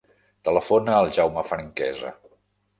Telefona al Jaume Franquesa.